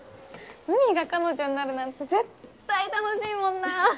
うみが彼女になるなんて絶対楽しいもんな！